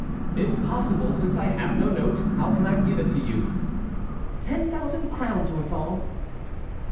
"Impossible; since I have no note, how can I give it to you?" "Ten thousand crowns, Orthon."